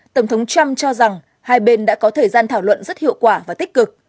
tổng thống trump cho rằng hai bên đã có thời gian thảo luận rất hiệu quả và tích cực